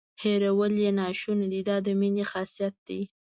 هیرول یې ناشونې دي دا د مینې خاصیت دی.